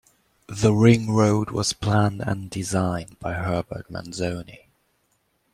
The ring road was planned and designed by Herbert Manzoni.